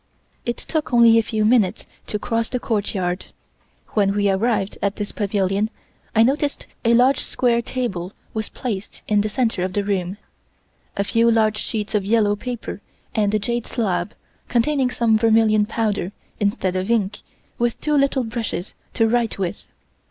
It took us only a few minutes to cross the courtyard. When we arrived at this pavilion I noticed a large square table was placed in the center of the room. A few large sheets of yellow paper and a jade slab, containing some vermilion powder instead of ink, with two little brushes to write with.